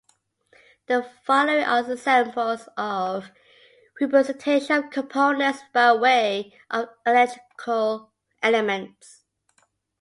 The following are examples of representation of components by way of electrical elements.